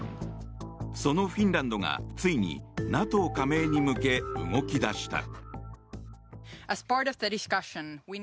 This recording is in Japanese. そのフィンランドが、ついにＮＡＴＯ加盟に向け動き出した。